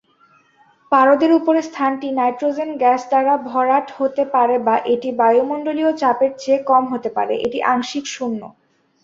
পারদের উপরে স্থানটি nitrogen gas দ্বারা ভরাট হতে পারে বা এটি বায়ুমণ্ডলীয় চাপের চেয়ে কম হতে পারে, এটি আংশিক শূন্য।